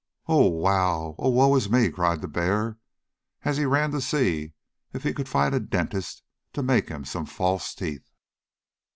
"Oh, wow! Oh, woe is me!" cried the bear, as he ran to see if he could find a dentist to make him some false teeth.